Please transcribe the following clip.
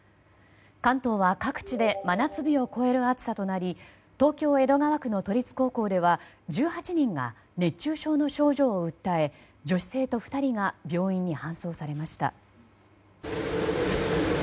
関東は、各地で真夏日を超える暑さとなり東京・江戸川区の都立高校では１８人が熱中症の症状を訴え女子生徒２人が病院に搬送されました。